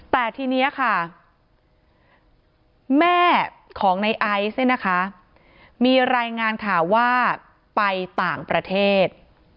แต่ทีนี้ค่ะแม่ของในไอซ์เนี่ยนะคะมีรายงานข่าวว่าไปต่างประเทศ